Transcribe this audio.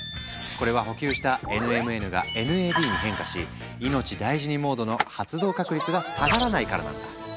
これは補給したＮＭＮがＮＡＤに変化し「いのちだいじにモード」の発動確率が下がらないからなんだ。